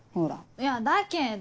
いやだけど。